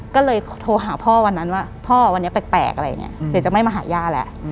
ก็เลยโทรหาพ่อวันนั้นว่าพ่อวันนี้แปลกอะไรอย่างนี้เดี๋ยวจะไม่มาหาย่าแล้ว